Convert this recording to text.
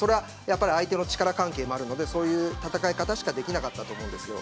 相手の力関係もあるのでそういう戦い方しかできなかったと思うんですよ。